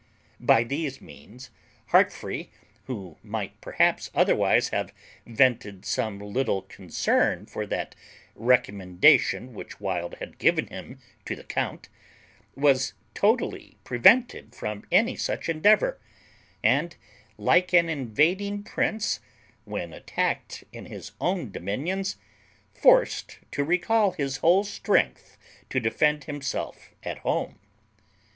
By these means Heartfree, who might perhaps otherwise have vented some little concern for that recommendation which Wild had given him to the count, was totally prevented from any such endeavour; and, like an invading prince, when attacked in his own dominions, forced to recal his whole strength to defend himself at home.